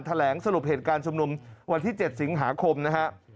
แถลงสรุปเหตุการณ์ชุมนุมวันที่๗สิงหาคมนะฮะ